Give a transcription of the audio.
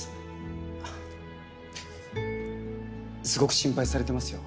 すごく心配されてますよ。